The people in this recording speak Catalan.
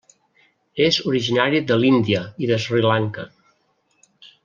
És originari de l'Índia i de Sri Lanka.